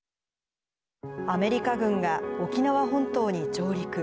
アメリカ軍が沖縄本島に上陸。